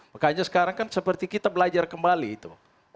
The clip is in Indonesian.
makanya sekarang kan seperti kita belajar kembali itu